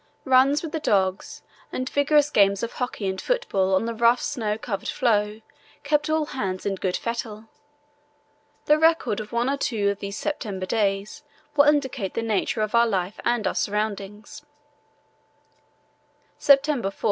Runs with the dogs and vigorous games of hockey and football on the rough snow covered floe kept all hands in good fettle. The record of one or two of these September days will indicate the nature of our life and our surroundings: "September 4.